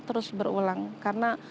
terus berulang karena